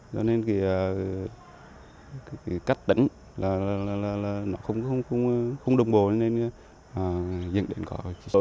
do nên cách tỉnh không đồng bộ nên dự định có